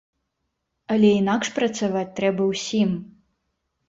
Але інакш працаваць трэба ўсім.